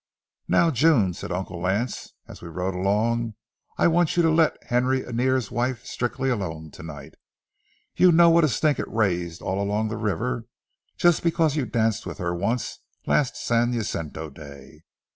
'" "Now, June," said Uncle Lance, as we rode along, "I want you to let Henry Annear's wife strictly alone to night. You know what a stink it raised all along the river, just because you danced with her once, last San Jacinto day.